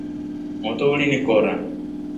Moto uli in kora.